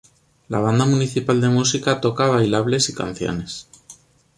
La Banda Municipal de Música toca bailables y canciones.